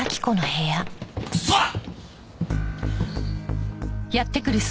クソッ！